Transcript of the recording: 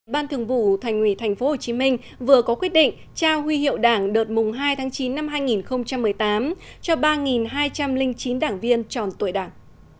ban thường vụ thành ủy tp hcm vừa có quyết định trao huy hiệu đảng đợt hai tháng chín năm hai nghìn một mươi tám cho ba hai trăm linh chín đảng viên tròn tuổi đảng